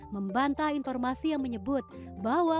membantah informasi yang menyebut bahwa